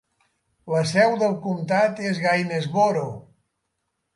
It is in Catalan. La seu del comtat és Gainesboro.